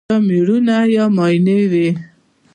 یا مېړونه یا ماينې وي